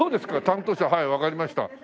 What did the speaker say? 担当者はいわかりました。